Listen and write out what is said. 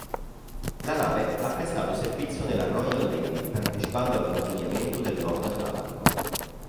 La nave ha prestato servizio nella Royal Navy partecipando al pattugliamento del nord Atlantico.